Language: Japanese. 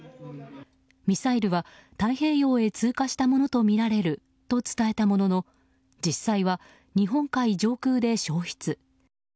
ミサイルは太平洋へ通過したものとみられると伝えたものの実際は日本海上空で消失。